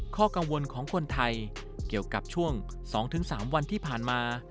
ข้อกังวลของคนไทยเกี่ยวกับช่วง๒๓วันที่ผ่านมา